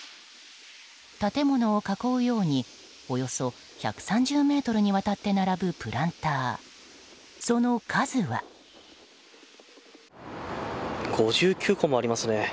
建物を囲うようにおよそ１３０ｍにわたって並ぶ５９個もありますね。